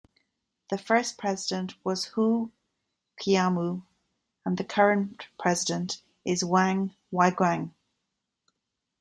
The first president was Hu Qiaomu, and the current president is Wang Weiguang.